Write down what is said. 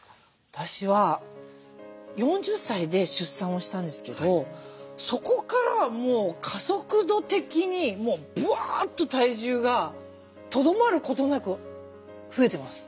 私は４０歳で出産をしたんですけどそこからもう加速度的にブワーッと体重がとどまることなく増えてます。